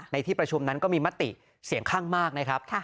ที่ประชุมนั้นก็มีมติเสียงข้างมากนะครับ